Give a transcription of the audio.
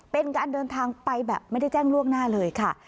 เป็นการเดินทางไปแบบไม่ได้แจ้งล่วงหน้าเลยค่ะ